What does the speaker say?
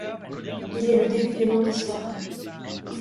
Il est le début d'une longue histoire.